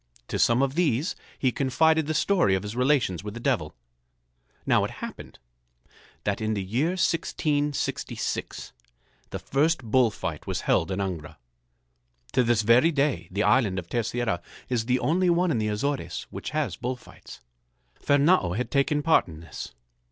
To some of these he confided the story of his relations with the Devil. Now it happened that in the year 1666 the first bull fight was held in Angra. To this very day the island of Terceira is the only one in the Azores which has bull fights. Fernâo had taken part in this.